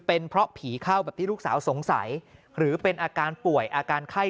เป็นเพราะผีเข้าแบบที่ลูกสาวสงสัยหรือเป็นอาการป่วยอาการไข้